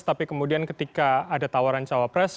tapi kemudian ketika ada tawaran cawapres